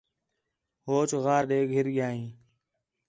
ہوچ غار ݙے گھر ڳِیا ہیں